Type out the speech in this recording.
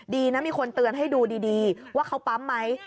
ดีนะมีคนเตือนให้ดูดีว่าเขาปั๊มไหม